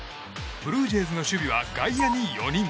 ブルージェイズの守備は外野に４人。